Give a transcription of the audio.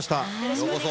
ようこそ。